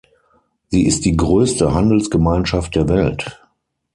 Sie ist die größte Handelsgemeinschaft der Welt.